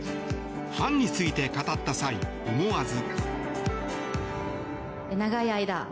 ファンについて語った際思わず。